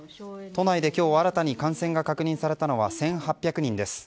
都内で今日新たに感染が確認されたのは１８００人です。